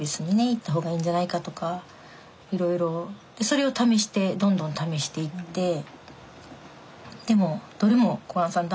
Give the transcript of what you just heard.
行った方がいいんじゃないかとかいろいろそれを試してどんどん試していってでもどれも小雁さん